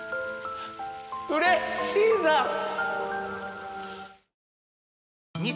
うれしざす‼